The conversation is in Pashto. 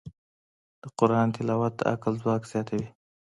د قرآن تلاوت د عقل ځواک زیاتوي.